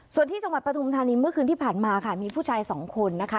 ส่วนที่จังหวัดปฐุมธานีเมื่อคืนที่ผ่านมาค่ะมีผู้ชายสองคนนะคะ